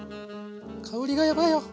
香りがヤバいよ！